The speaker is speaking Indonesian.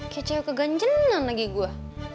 kayak cewek keganjengan lagi gua